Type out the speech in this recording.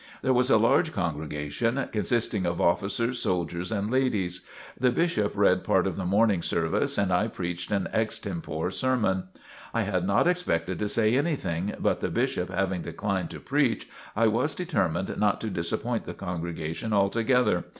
There was a large congregation, consisting of officers, soldiers and ladies. The Bishop read part of the morning service and I preached an extempore sermon. I had not expected to say anything, but the Bishop having declined to preach, I was determined not to disappoint the congregation altogether.